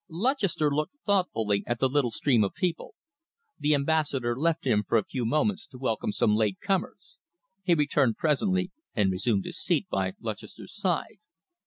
Lutchester looked thoughtfully at the little stream of people. The Ambassador left him for a few moments to welcome some late comers. He returned presently and resumed his seat by Lutchester's side.